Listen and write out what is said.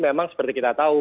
memang seperti kita tahu